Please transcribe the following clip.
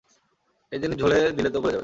এই জিনিস ঝোলে দিলে তো গলে যাবে।